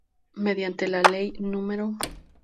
Mediante la Ley Núm.